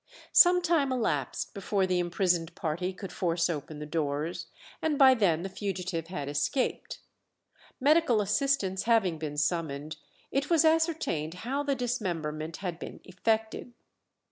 Some time elapsed before the imprisoned party could force open the doors, and by then the fugitive had escaped. Medical assistance having been summoned, it was ascertained how the dismemberment had been effected.